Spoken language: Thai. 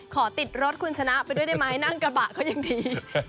ขอติดรถคุณชนะไปด้วยได้ไหมนั่งกระบะก็ยังดี